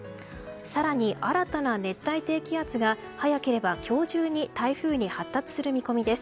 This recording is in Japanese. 更に新たな熱帯低気圧が早ければ今日中に台風に発達する見込みです。